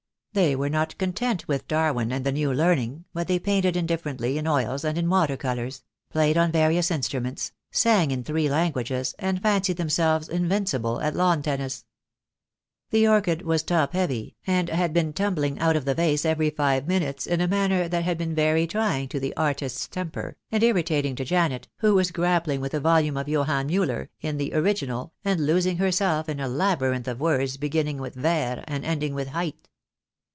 They were not content with Darwin and the new learning, but they painted indifferently in oils and in water colours, played on various instruments, sang in three languages, and fancied themselves invincible at lawn tennis. The orchid was top heavy, and had been tumbling out of the vase every five minutes in a manner that had been very trying to the artist's temper, and irritating to 6 2 THE DAY WILL COME. Janet, who was grappling with a volume of Johann Miiller, in the original, and losing herself in a labyrinth of words beginning with ver and ending with heit.